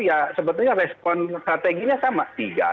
ya sebetulnya respon strateginya sama tiga